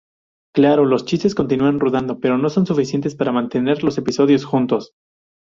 Claro, los chistes continúan rodando, pero no son suficientes para mantener el episodio juntos.